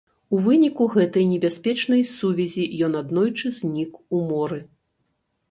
У выніку гэтай небяспечнай сувязі ён аднойчы знік у моры.